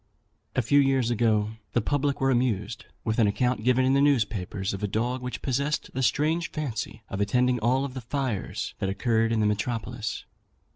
A few years ago, the public were amused with an account given in the newspapers of a dog which possessed the strange fancy of attending all the fires that occurred in the metropolis.